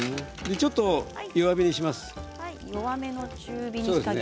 ちょっと弱火にしますね。